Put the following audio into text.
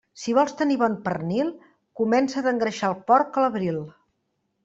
Si vols tenir bon pernil, comença d'engreixar el porc a l'abril.